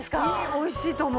美味しいと思う。